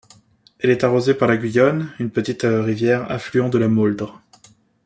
Elle est arrosée par la Guyonne, une petite rivière affluent de la Mauldre.